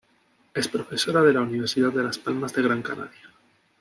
Es profesora de la Universidad de Las Palmas de Gran Canaria.